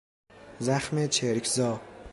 زخم چرک زا